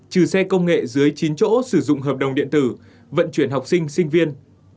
trừ xe công nghệ dưới chín chỗ sử dụng hợp đồng điện tử vận chuyển học sinh sinh viên